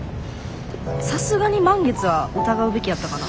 さすがに満月は疑うべきやったかな？